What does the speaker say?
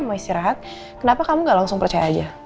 mau istirahat kenapa kamu gak langsung percaya aja